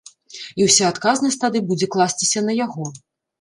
І ўся адказнасць тады будзе класціся на яго.